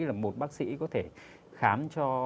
là một bác sĩ có thể khám cho